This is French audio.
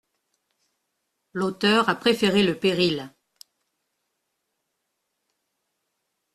L’auteur a préféré le péril.